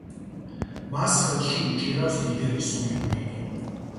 მას ხელში უჭირავს დიდების გვირგვინი.